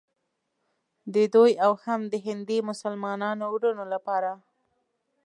د دوی او هم د هندي مسلمانانو وروڼو لپاره.